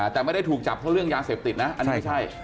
แต่ไม่ได้ถูกจับเพราะเรื่องยาเสพติดนะอันนี้ไม่ใช่